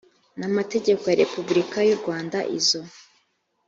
n amategeko ya repubulika y u rwanda izo